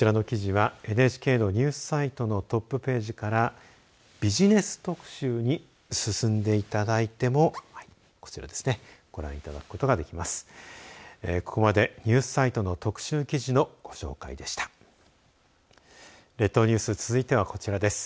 こちらの記事はＮＨＫのニュースサイトのトップページからビジネス特集に進んでいただいてもご覧いただくことができます。